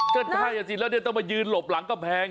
เกิดทายจริงแล้วโดยจะได้ยืนหลบหลังกะแพง